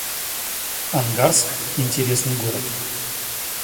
Ангарск — интересный город